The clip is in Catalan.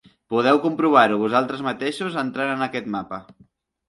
Podeu comprovar-ho vosaltres mateixos entrant en aquest mapa.